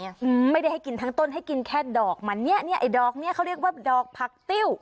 อืมไม่ได้ให้กินทั้งต้นให้กินแค่ดอกมันเนี้ยเนี้ยเนี้ยไอ้ดอกเนี้ยเขาเรียกว่าดอกผักติ้ว